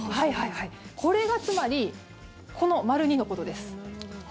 これがつまりこの丸２のことです。